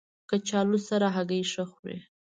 کچالو سره هګۍ ښه خوري